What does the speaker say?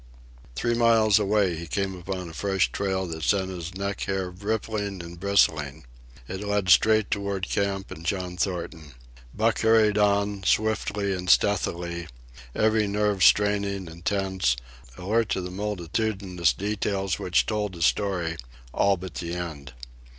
Three miles away he came upon a fresh trail that sent his neck hair rippling and bristling, It led straight toward camp and John Thornton. Buck hurried on, swiftly and stealthily, every nerve straining and tense, alert to the multitudinous details which told a story—all but the end.